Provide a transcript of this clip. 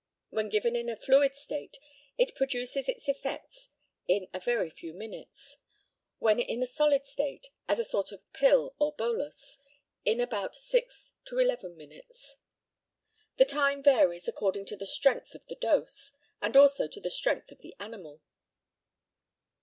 When given in a fluid state, it produces its effects in a very few minutes; when in a solid state, as a sort of pill or bolus, in about six to eleven minutes. The time varies according to the strength of the dose, and also to the strength of the animal.